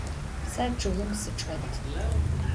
Se ççıgım sıçç'et.